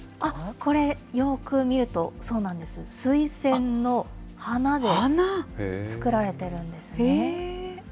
これ、よく見ると、そうなんです、水仙の花で作られているんですね。